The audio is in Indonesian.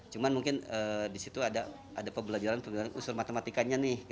cuma mungkin di situ ada pebelajaran usul matematikanya nih